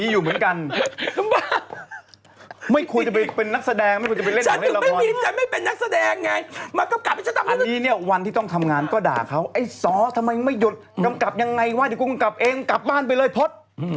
ยังไงว่าเดี๋ยวกลุ่มกำกับเองกลับบ้านไปเลยพล็อต